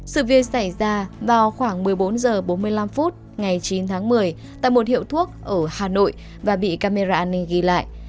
sự việc xảy ra vào khoảng một mươi bốn h bốn mươi năm phút ngày chín tháng một mươi tại một hiệu thuốc ở hà nội và bị camera an ninh ghi lại